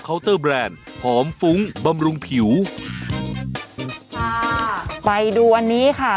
ค่ะไปดูอันนี้ค่ะ